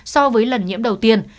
so với lần nhiễm đầu tiên